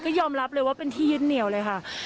ก็ยอมรับเลยว่าเป็นที่ยึดเหนียวเลยค่ะ